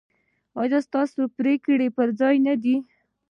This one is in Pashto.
ایا ستاسو پریکړې پر ځای نه دي؟